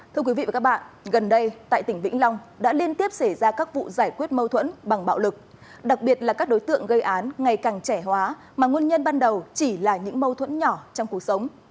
thưa quý vị và các bạn gần đây tại tỉnh vĩnh long đã liên tiếp xảy ra các vụ giải quyết mâu thuẫn bằng bạo lực đặc biệt là các đối tượng gây án ngày càng trẻ hóa mà nguyên nhân ban đầu chỉ là những mâu thuẫn nhỏ trong cuộc sống